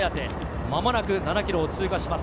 間もなく７ｋｍを通過します。